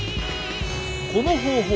この方法